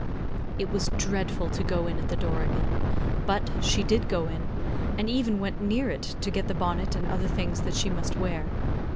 It was dreadful to go in at the door again; but, she did go in, and even went near it, to get the bonnet and other things that she must wear.